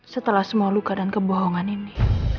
setelah semua luka dan kebohongan ini